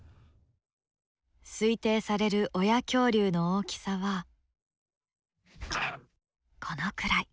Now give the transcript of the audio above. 推定される親恐竜の大きさはこのくらい。